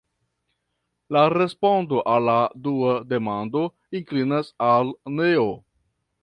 La respondo al la dua demando inklinas al neo.